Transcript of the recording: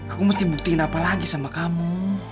aku mesti buktiin apa lagi sama kamu